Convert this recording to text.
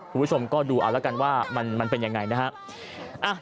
ผู้ชมก็ดูอาละกันว่ามันเป็นยังไงนะครับ